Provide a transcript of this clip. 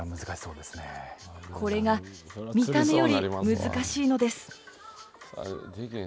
これが見た目より難しいのです。